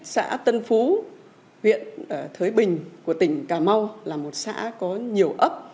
xã tân phú huyện thới bình của tỉnh cà mau là một xã có nhiều ấp